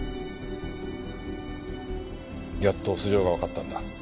やっと素性がわかったんだ。